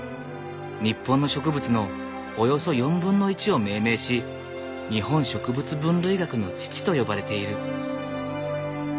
日本の植物のおよそ４分の１を命名し日本植物分類学の父と呼ばれている。